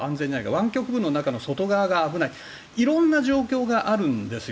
湾曲部の中の外側が危ない色んな状況があるんですよ。